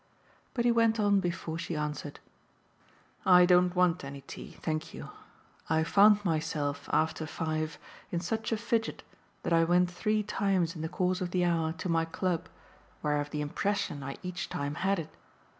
But he went on before she answered: "I don't want any tea, thank you. I found myself, after five, in such a fidget that I went three times in the course of the hour to my club, where I've the impression I each time had it.